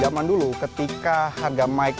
zaman dulu ketika harga mic